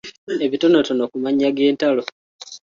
Ebitonotono ku mannya g’entalo.